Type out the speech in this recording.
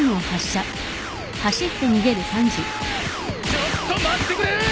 ちょっと待ってくれ！